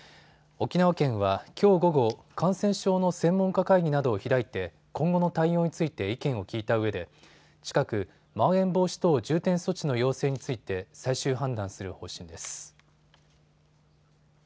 沖縄県はきょう午後、感染症の専門家会議などを開いて今後の対応について意見を聞いたうえで近くまん延防止等重点措置の要請について最終判断する方針です。